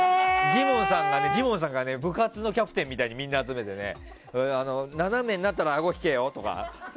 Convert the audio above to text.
ジモンさんが部活のキャプテンみたいにみんなを集めて斜めになったらあごを引けよとか。